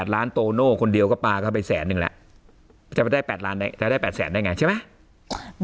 ล้านโตโน่คนเดียวก็ปลาเข้าไปแสนนึงแหละจะไปได้๘ล้านจะได้๘แสนได้ไงใช่ไหม